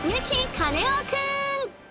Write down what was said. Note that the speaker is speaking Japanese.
カネオくん！